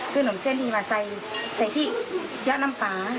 คือนมเส้นที่มาใส่ที่เยอะน้ำปลา